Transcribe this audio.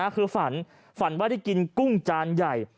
คือฝันฝันว่าได้กินกุ้งจานใหญ่